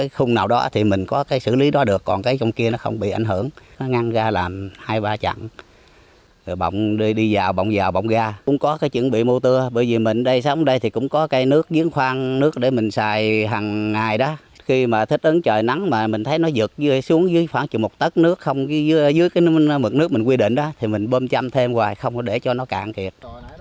khi mà thích ứng trời nắng mà mình thấy nó dựt xuống dưới khoảng chữ một tất nước không dưới cái mực nước mình quy định đó thì mình bơm châm thêm hoài không để cho nó cạn kịp